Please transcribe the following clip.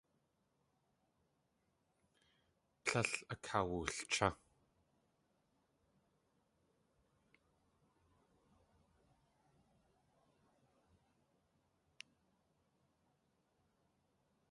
Tlél akawulchá.